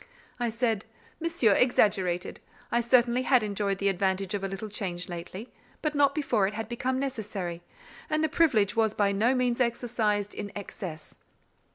I said, "Monsieur exaggerated. I certainly had enjoyed the advantage of a little change lately, but not before it had become necessary; and the privilege was by no means exercised in excess."